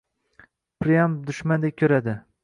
pryam dushmandek ko‘radi.